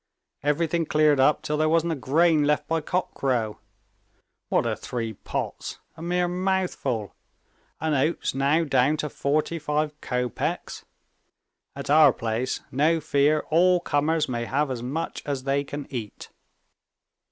Everything cleared up till there wasn't a grain left by cockcrow. What are three pots? A mere mouthful! And oats now down to forty five kopecks. At our place, no fear, all comers may have as much as they can eat."